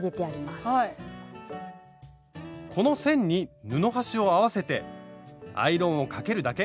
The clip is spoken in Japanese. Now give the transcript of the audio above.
この線に布端を合わせてアイロンをかけるだけ。